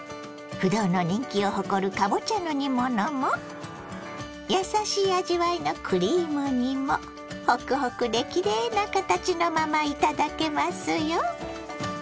不動の人気を誇るかぼちゃの煮物もやさしい味わいのクリーム煮もホクホクできれいな形のまま頂けますよ。